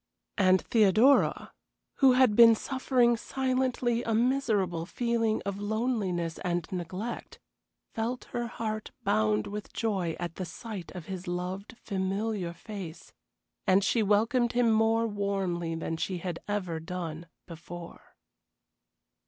And Theodora, who had been suffering silently a miserable feeling of loneliness and neglect, felt her heart bound with joy at the sight of his loved, familiar face, and she welcomed him more warmly than she had ever done before.